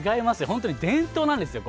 本当に伝統なんですよ。